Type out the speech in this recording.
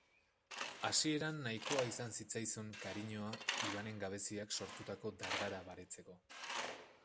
Hasieran nahikoa izan zitzaizun kariñoa Ibanen gabeziak sortutako dardara baretzeko.